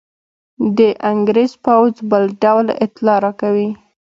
د انګرېز پوځ بل ډول اطلاع راکوي.